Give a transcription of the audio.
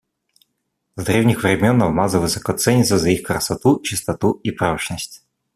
С древних времен алмазы высоко ценятся за их красоту, чистоту и прочность.